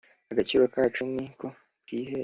Agaciro kacu niko twihesha